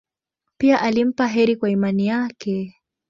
Pia alimpa heri kwa imani yake.